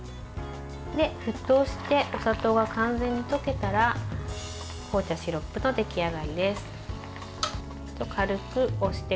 沸騰してお砂糖が完全に溶けたら紅茶シロップの出来上がりです。